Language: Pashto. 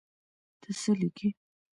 ته څه لیکې.